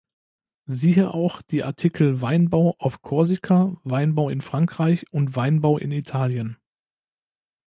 Siehe auch die Artikel Weinbau auf Korsika, Weinbau in Frankreich und Weinbau in Italien.